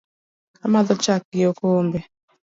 Amadho chai gi okombe